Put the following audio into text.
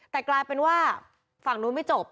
แต่กลายเป็นว่าฝั่งนู้นไม่จบ